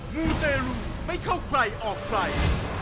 มูตร์แต่รูไม่เข้าใครออกใคร